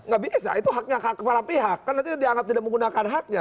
nggak bisa itu haknya kepala pihak karena itu dianggap tidak menggunakan haknya